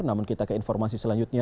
namun kita ke informasi selanjutnya